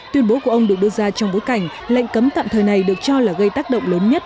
tuyên bố của ông được đưa ra trong bối cảnh lệnh cấm tạm thời này được cho là gây tác động lớn nhất